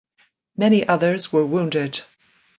Many others were wounded.